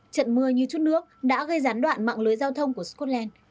trận mưa như chút nước đã gây gián đoạn mạng lưới giao thông của scotland